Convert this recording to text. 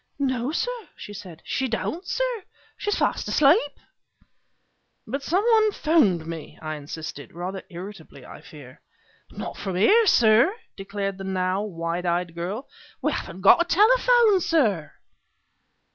"No, sir," she said, "she don't, sir; she's fast asleep!" "But some one 'phoned me!" I insisted, rather irritably, I fear. "Not from here, sir," declared the now wide eyed girl. "We haven't got a telephone, sir."